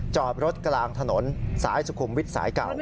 จอดรถกลางถนนสายสุขุมวิทย์สายเก่า